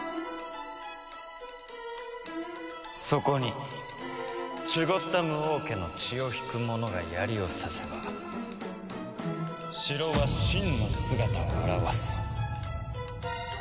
そこにシュゴッダム王家の血を引く者が槍を挿せば城は真の姿を現す。